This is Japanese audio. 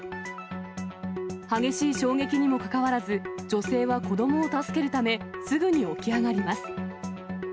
激しい衝撃にもかかわらず、女性は子どもを助けるため、すぐに起き上がります。